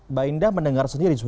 mbak indah mendengar sendiri